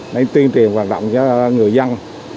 để tuyên truyền hoạt động cho người dân